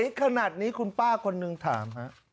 โหยขนาดนี้คุณป้าคนหนึ่งถาม